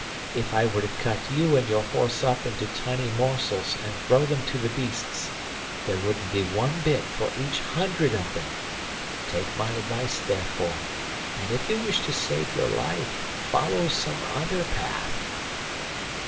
If I were to cut you and your horse up into tiny morsels and throw them to the beasts, there wouldn't be one bit for each hundred of them. Take my advice, therefore, and if you wish to save your life follow some other path.